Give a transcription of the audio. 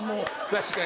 確かに。